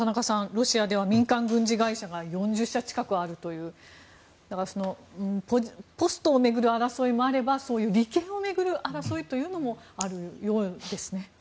ロシアでは民間軍事会社が４０社近くあるということでポストを巡る争いもあれば利権を巡る争いというのもあるようですね。